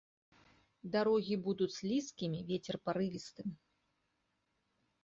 Дарогі будуць слізкімі, вецер парывістым.